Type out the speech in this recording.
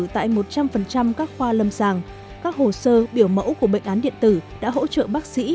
trăm phần trăm các khoa lâm sàng các hồ sơ biểu mẫu của bệnh án điện tử đã hỗ trợ bác sĩ